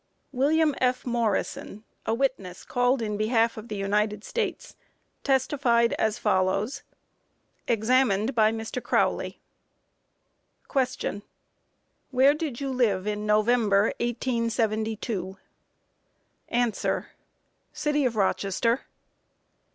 WILLIAM F. MORRISON, a witness called in behalf of the United States, testified as follows: Examined by Mr. Crowley: Q. Where did you live, in November, 1872? A. City of Rochester.